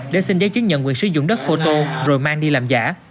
để xin giấy chứng nhận quyền sử dụng đất phô tô rồi mang đi làm giả